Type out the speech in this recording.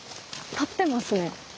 立ってますよ